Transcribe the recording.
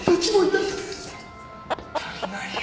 足りないよ。